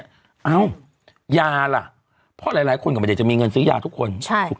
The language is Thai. ยาหรอหลายคนกลายมีเงินซื้อยาทุกคน